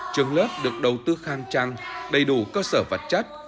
trường lớp được đầu tư khang trăng đầy đủ cơ sở vật chất